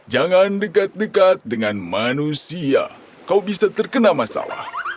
jangan dekat dekat dengan manusia kau bisa terkena masalah